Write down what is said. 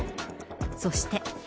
そして。